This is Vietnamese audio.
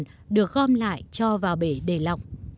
độ giòn được gom lại cho vào bể để lọc